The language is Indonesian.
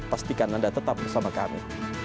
pastikan anda tetap bersama kami